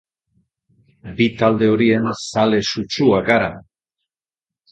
Bi talde horien zale sutsuak gara.